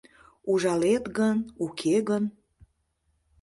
Ужалет гын, уке гын?